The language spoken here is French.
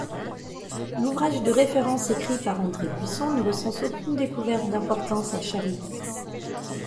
L'ouvrage de référence écrit par André Buisson ne recense aucune découverte d'importance à Charix.